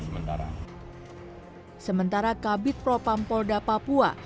sementara kabit propampolda papua